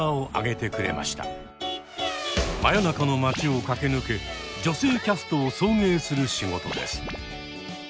真夜中の街を駆け抜け女性キャストを送迎する仕事です。